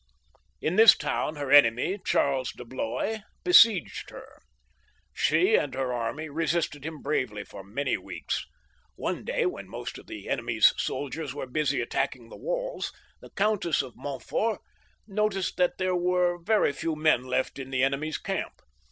In this town her enemy, Charles de Blois, besieged her. She and her army resisted him bravely for many weeks. xxv.] PHILIP VI. 159 One day, when most of the enemy's soldiers were busy attacking the walls, the Countess of Montfort noticed that there were very few men left in the enemy's camp.